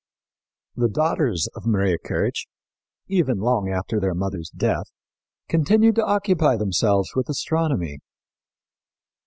The daughters of Maria Kirch, even long after their mother's death, continued to occupy themselves with astronomy.